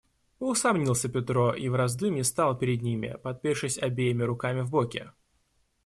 Поусомнился Петро и в раздумьи стал перед ними, подпершись обеими руками в боки.